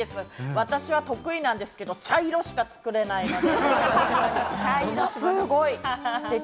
私は得意なんですけど、茶色しか作れないので、すごいステキ。